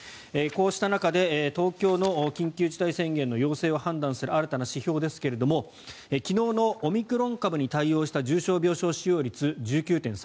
こうした中で東京の緊急事態宣言の要請を判断する新たな指標ですが昨日のオミクロン株に対応した重症病床使用率１９．３％。